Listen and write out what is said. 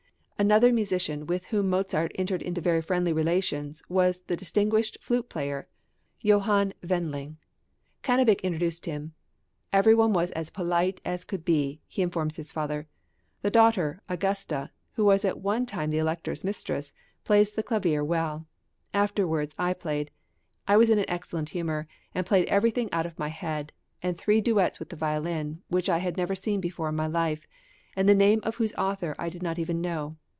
Another musician with whom Mozart entered into very friendly relations was the distinguished flute player, Joh. Bapt. Wendling. Cannabich introduced him; "every one was as polite as could be" he informs his father. "The daughter Augusta, who was at one time the Elector's mistress, plays the clavier well. Afterwards I played. I was in an excellent humour, and played everything out of my head, and three duets with the violin, which I had never seen before in my life, and the name of whose author I did not even know.